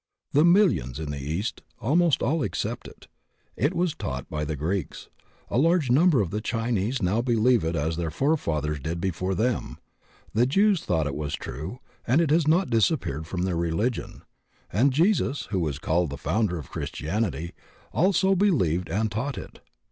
The millions in the East almost all accept it; it was taught by the Greeks; a large number of the Chinese now believe it as their forefathers did before them; the Jews thought it was true, and it has not disappeared from their religion; and Jesus, who is called the founder of Christianity, also believed and taught it.